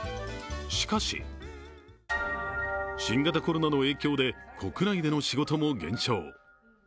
しかし、新型コロナの影響で国内での仕事も減少。